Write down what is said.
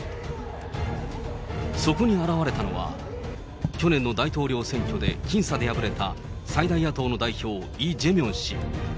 そこに現れたのは、去年の大統領選挙で僅差で敗れた最大野党の代表、イ・ジェミョン氏。